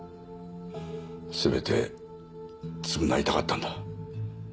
せめて償いたかったんだ。